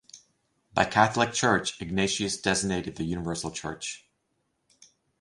By "Catholic Church" Ignatius designated the universal church.